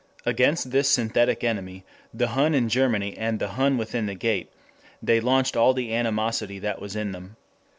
Against this synthetic enemy, the Hun in Germany and the Hun within the Gate, they launched all the animosity that was in them.